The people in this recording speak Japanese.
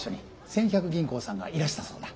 千百銀行さんがいらしたそうだ。